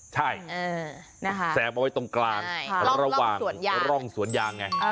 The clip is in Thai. ใช่แซมเอาไว้ตรงกลางระหว่างร่องสวนยางไง